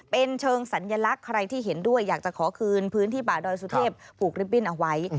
เป็นเชิงสัญลักษณ์ใครที่เห็นด้วยอยากจะขอคืนพื้นที่ป่าดอยสุเทพผูกริบบิ้นเอาไว้